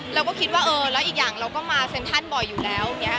เราก็คิดว่าเออแล้วอีกอย่างเราก็มาเซ็นทรัลบ่อยอยู่แล้วอย่างนี้